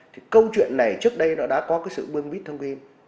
thì câu chuyện này trước đây nó đã có cái sự bương vít thông tin